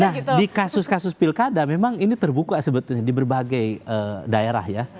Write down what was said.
nah di kasus kasus pilkada memang ini terbuka sebetulnya di berbagai daerah ya